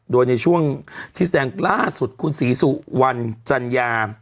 โดยในช่วงที่แสดงล่าสุดคุณศรีสุวรรณจัญญา